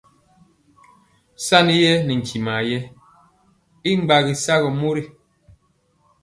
Saniyer nɛ ntimɔ ye y gbagi sagɔ mori.